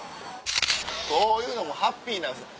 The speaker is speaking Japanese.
こういうのもハッピーなんですよ